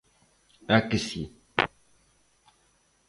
A que si?